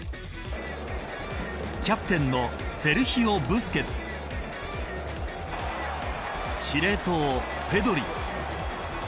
キャプテンのセルヒオ・ブスケツ司令塔、ペドリ。